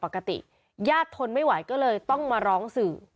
ก็เลยต้องมาร้องสื่อ